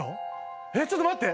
えっちょっと待って！